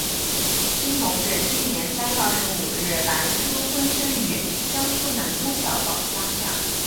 清同治七年三月二十五日白毓昆生于江苏南通小保家巷。